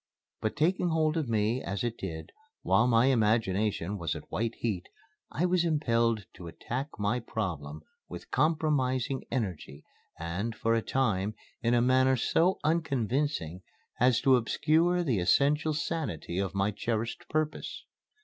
But, taking hold of me, as it did, while my imagination was at white heat, I was impelled to attack my problem with compromising energy and, for a time, in a manner so unconvincing as to obscure the essential sanity of my cherished purpose.